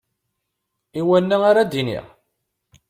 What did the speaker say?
I wana ara d-iniɣ?